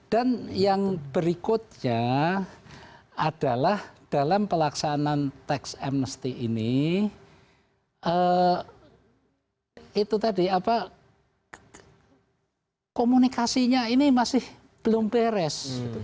dan yang berikutnya adalah dalam pelaksanaan teks amnesti ini komunikasinya ini masih belum beres